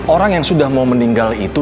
orang yang sudah mau meninggal itu